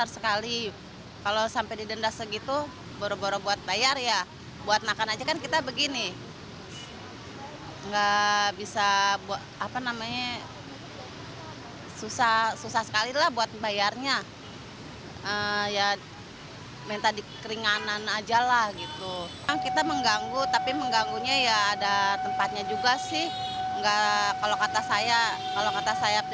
saina berpendapatan rp seratus sampai rp seratus per hari saina keberatan jika dianggap mengganggu ketertiban umum